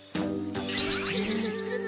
グフフフ。